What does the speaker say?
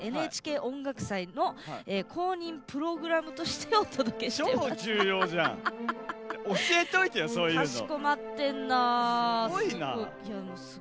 ＮＨＫ音楽祭公認プログラムとして、お送りしています。